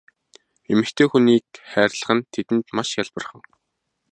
Эмэгтэй хүнийг хайрлах нь тэдэнд маш хялбархан.